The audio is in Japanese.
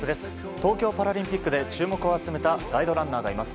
東京パラリンピックで注目を集めたガイドランナーがいます。